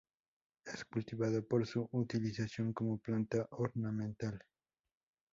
Es cultivado para su utilización como planta ornamental.